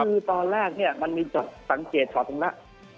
คือตอนแรกเนี่ยมันมีสังเกตช็อตตรงนี้